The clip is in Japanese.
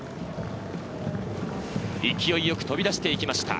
勢いよく飛び出していきました。